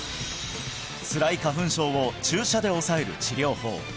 つらい花粉症を注射で抑える治療法